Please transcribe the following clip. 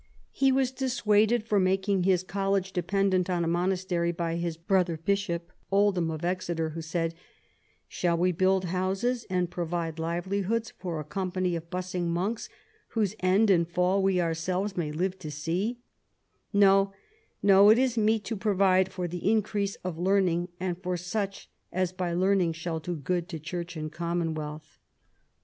He was dissuaded from making his college dependent on a monastery by his brother bishop, Oldham of Exeter, who said, " Shall we build houses and provide liveUhoods for a company of bussing monks, whose end and fall we ourselves may live to seel No, no: it is meet to provide for the increase of learning, and for such as by learning shall do good to Church and commonwealth."